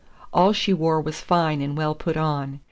All she wore was fine and well put on.